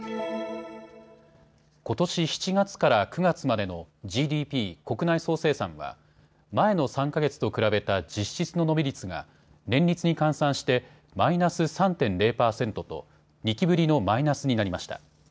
ことし７月から９月までのＧＤＰ・国内総生産は前の３か月と比べた実質の伸び率が年率に換算してマイナス３．０％と２期ぶりのマイナスになりました。